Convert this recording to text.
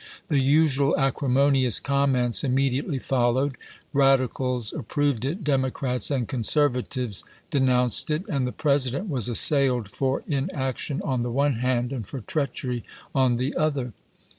The usual acrimonious comments immediately followed : rad icals approved it, Democrats and conservatives denounced it ; and the President was assailed for inaction on the one hand and for treachery on the other.